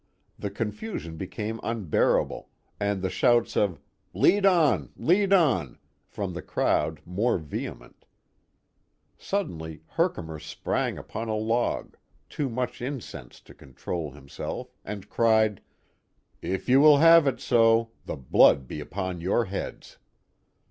The confusion became unbearable and the shouts of "Lead on! Lead on!" from the crowd more vehement. Suddenly Herkimer sprang upon a log, too much incensed to control himself and cried, " If you will have ft so. the blood be upon your heads."